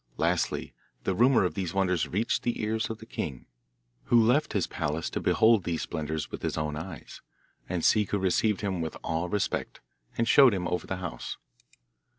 Lastly the rumour of these wonders reached the ears of the king, who left his palace to behold these splendours with his own eyes. And Ciccu received him with all respect, and showed him over the house.